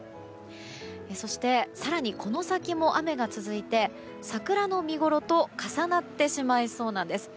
そして、更にこの先も雨が続いて桜の見ごろと重なってしまいそうなんです。